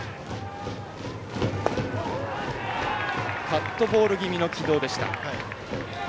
カットボール気味の軌道でした。